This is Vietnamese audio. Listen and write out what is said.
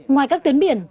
ngoài các tuyến biển